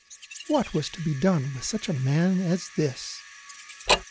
What was to be done with such a man as this?